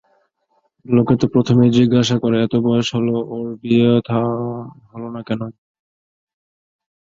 লোকে তো প্রথমেই জিজ্ঞাসা করে, এত বয়স হল ওঁর বিয়েথাওয়া হল না কেন।